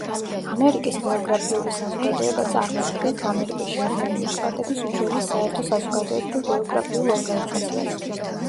ამერიკის გეოგრაფიული საზოგადოება წარმოადგენს ამერიკის შეერთებული შტატების უძველეს საერთო საზოგადოებრივ გეოგრაფიულ ორგანიზაციას.